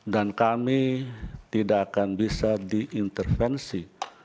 dan kami tidak akan bisa diintervensi